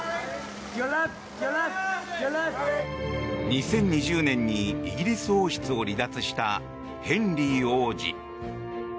２０２０年にイギリス王室を離脱した、ヘンリー王子。